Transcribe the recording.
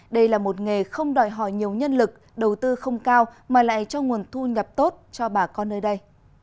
đây là một nghề không đòi hỏi nhiều nhân lực đầu tư không cao mà lại cho nguồn thu nhập tốt cho bà con nơi đây